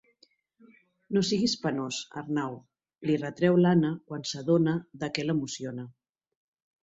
No siguis penós, Arnau —li retreu l'Anna quan s'adona de què l'emociona.